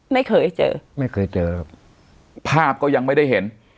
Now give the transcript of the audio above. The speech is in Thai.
ไม่เคยเจอไม่เคยเจอครับภาพก็ยังไม่ได้เห็น